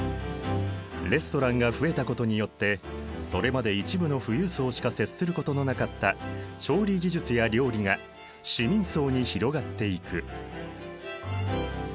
レストランが増えたことによってそれまで一部の富裕層しか接することのなかった調理技術や料理が市民層に広がっていく。